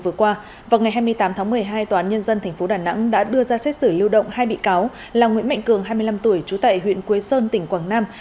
tòa án nhân dân tp hcm đã đưa ra xét xử lưu động hai bị cáo là nguyễn mạnh cường hai mươi năm tuổi chú tại huyện quế sơn tỉnh quảng nam